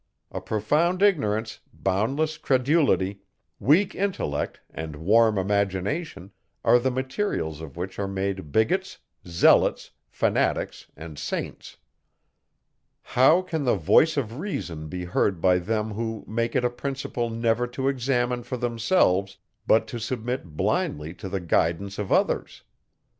A profound ignorance, boundless credulity, weak intellect, and warm imagination, are the materials, of which are made bigots, zealots, fanatics, and saints. How can the voice of reason be heard by them who make it a principle never to examine for themselves, but to submit blindly to the guidance of others?